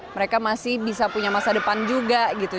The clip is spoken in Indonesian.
mereka masih bisa punya masa depan juga gitu